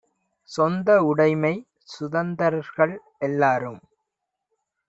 சொந்த உடைமை! சுதந்தரர்கள் எல்லாரும்!